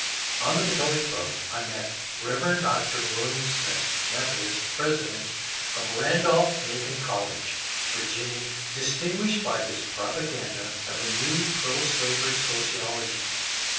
On the Potomac boat I met Rev. Dr. William Smith (Methodist), president of Bandolph Macon College, Vir ginia, distinguished by his propaganda of a new proslavery sociology.